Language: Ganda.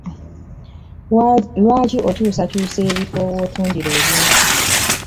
Lwaki okyuusa kyuusa ebifo wootundira ebintu?